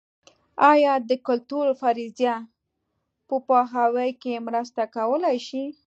ایا د کلتور فرضیه په پوهاوي کې مرسته کولای شي؟